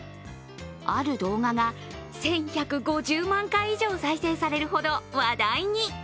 ある動画が１１５０万回以上再生されるほど話題に。